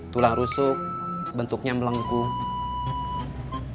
tulang rusuk bentuknya melengkung